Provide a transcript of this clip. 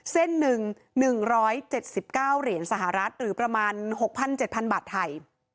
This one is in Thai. เส้นหนึ่ง๑๗๙เหรียญสหรัฐหรือประมาณ๖๐๐๗๐๐บาทไทย